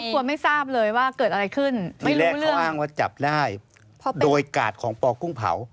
ที่แรกเขาอ้างว่าจับได้โดยกาดของปกุ้งเผา